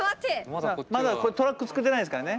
まだトラック作ってないですからね。